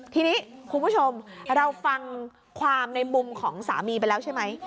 ทีนี้คุณผู้ชมเราฟังความในมุมของสามีไปแล้วใช่ไหม